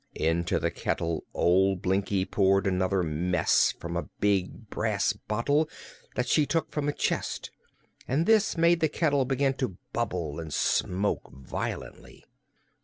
Into the kettle old Blinkie poured another mess from a big brass bottle she took from a chest, and this made the kettle begin to bubble and smoke violently.